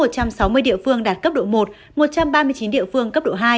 ở cấp xã có một trăm sáu mươi địa phương đạt cấp độ một một trăm ba mươi chín địa phương cấp độ hai